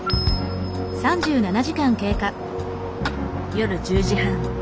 夜１０時半。